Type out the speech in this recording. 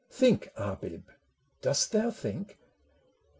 think, Abib ; dost thou think